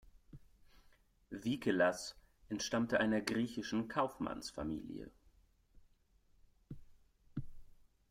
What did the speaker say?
Vikelas entstammte einer griechischen Kaufmannsfamilie.